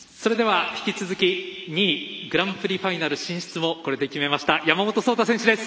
引き続き、２位グランプリファイナル進出をこれで決めました山本草太選手です。